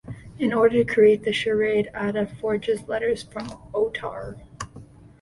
In order to create the charade, Ada forges letters from Otar.